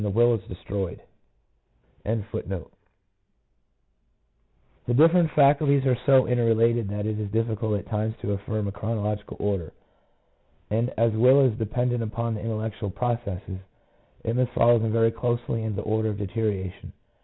1 The different faculties are so interrelated that it is difficult at times to affirm a chronological order, and as will is depend ent upon the intellectual processes, it must follow them very closely in the order of deterioration.